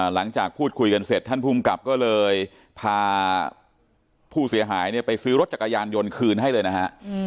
หลังจากพูดคุยกันเสร็จท่านภูมิกับก็เลยพาผู้เสียหายเนี่ยไปซื้อรถจักรยานยนต์คืนให้เลยนะฮะ